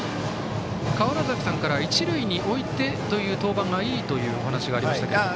川原崎さんから一塁に置いてという登板がいいというお話がありましたが。